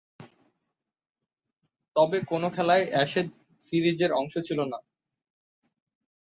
তবে, কোন খেলাই অ্যাশেজ সিরিজের অংশ ছিল না।